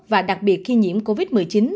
và đặc biệt khi nhiễm covid một mươi chín